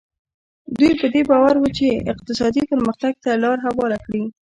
دوی په دې باور وو چې اقتصادي پرمختګ ته لار هواره کړي.